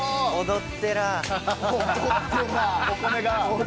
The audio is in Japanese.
踊ってらぁ！